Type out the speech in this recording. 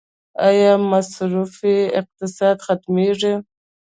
آیا مصرفي اقتصاد ختمیږي؟